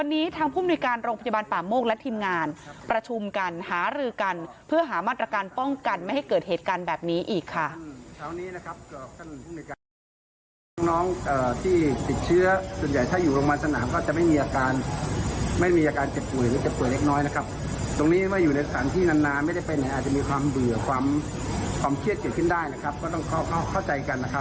ที่ต้องกันไม่ให้เกิดเหตุการณ์แบบนี้อีกค่ะ